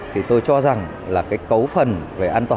thì tôi cho rằng là cái cấu phần về an toàn